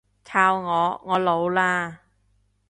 靠我，我老喇